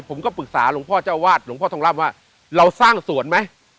ผมก็ปรึกษาหลวงพ่อทองร่ำว่าเราสร้างสวนไหม